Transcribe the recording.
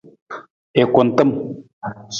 I kuntam.